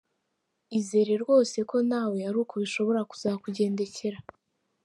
Izere rwose ko nawe ari uko bishobora kuzakugendekera.